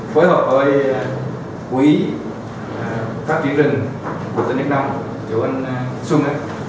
phối hợp với quý phát triển rừng của tỉnh đức nông chủ anh xuân